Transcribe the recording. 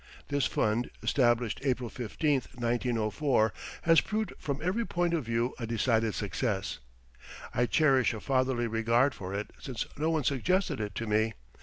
This fund, established April 15, 1904, has proved from every point of view a decided success. I cherish a fatherly regard for it since no one suggested it to me.